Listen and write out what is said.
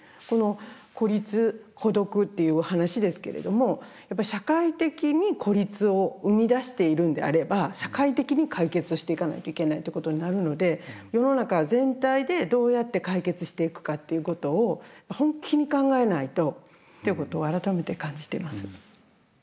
この孤立・孤独っていう話ですけれどもやっぱ社会的に孤立を生み出しているんであれば社会的に解決をしていかないといけないってことになるので世の中全体でどうやって解決していくかっていうことを本気に考えないとっていうことを改めて感じてます。